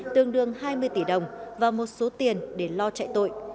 tương đương hai mươi tỷ đồng và một số tiền để lo chạy tội